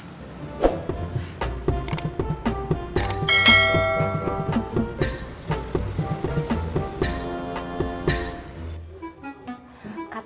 gak ada yang dikira